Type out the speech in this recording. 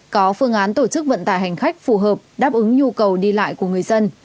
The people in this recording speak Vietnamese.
có phương án tổ chức vận tải hành khách phù hợp đáp ứng nhu cầu đi lại của người dân